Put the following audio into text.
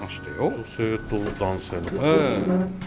女性と男性のね。